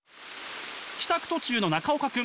帰宅途中の中岡君。